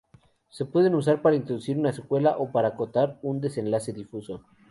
Se pueden usar para introducir una secuela o para acotar un desenlace difuso.